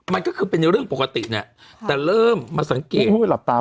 มันก็คือเป็นในเรื่องปกติเนี่ยแต่เริ่มมาสังเกตว่าหลับตา